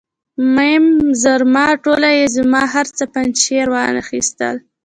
میم زرما ټوله یې زما، هر څه پنجشیر واخیستل.